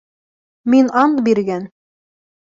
Мин ант биргән!